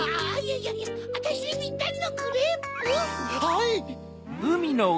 はい！